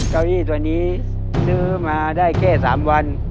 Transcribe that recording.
เก้าอี้ตัวนี้ซื้อมาได้แค่๓วัน